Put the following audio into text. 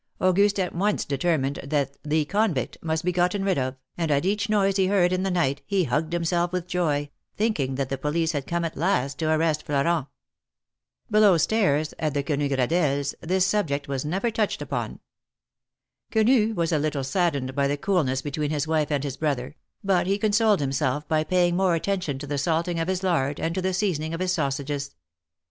Auguste at once determined that ^^the convict'' must be gotten rid of, and at each noise he heard in the night, he hugged himself with joy, thinking that the police had come at last to arrest Florent. Below stairs, at the Quenu Gradelles', this subject was never touched upon. Quenu was a little saddened by the coolness between his wife and his brother, but he consoled himself by paying more attention to the salting of his lard, and to the seasoning of his sausages.